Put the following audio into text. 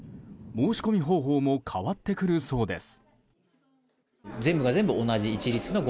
申し込み方法も変わってくるそうです。